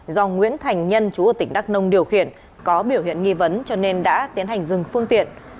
do nguyễn thành nhân chú ở tỉnh đắk nông điều khiển có biểu hiện nghi vấn cho nên đã tiến hành dừng phương tiện